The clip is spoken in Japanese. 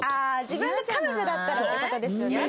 自分が彼女だったらって事ですよね。